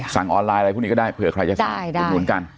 สั่งออนไลน์อะไรพวกนี้ก็ได้เผื่อใครจะได้อุดหนุนกัน